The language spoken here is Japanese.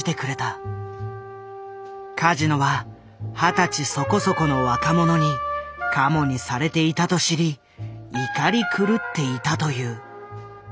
カジノは二十歳そこそこの若者にカモにされていたと知り怒り狂っていたという。